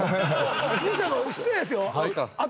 西田さん失礼ですよ。